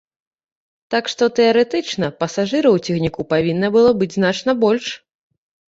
Так што, тэарэтычна, пасажыраў у цягніку павінна было быць значна больш.